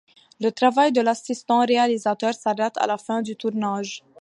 Le travail de l'assistant réalisateur s'arrête à la fin du tournage.